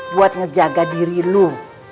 buat ngejaga diri lu